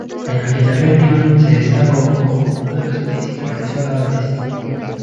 En aquella reunión se destacó como uno de los principales oradores.